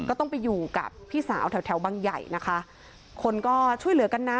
ก็ต้องไปอยู่กับพี่สาวแถวแถวบังใหญ่นะคะคนก็ช่วยเหลือกันนะ